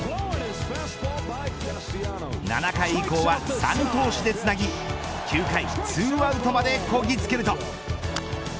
７回以降は３投手でつなぎ９回２アウトまでこぎつけると。